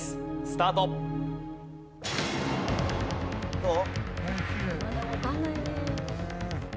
どう？